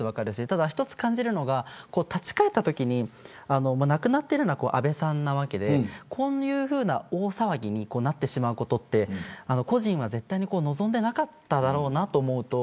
ただ一つ感じるのが立ち返ったときに亡くなっているのは安倍さんなわけでこういうふうな大騒ぎになってしまうことって故人は絶対に望んでいなかっただろうと思う。